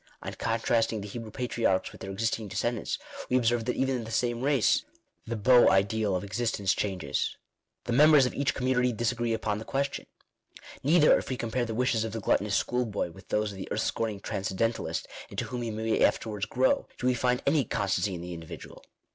On contrasting the Hebrew patriarchs with their existing descendants, we observe that even in the same race the beau ideal of existence changes. The members of each community disagree upon the question. Neither, if Digitized by VjOOQIC INTRODUCTION. 5 we compare the wishes of the gluttonous school boy with those of the earth scorning transcendentalist into whom he may afterwards grow, do we find any constancy in the indi vidual.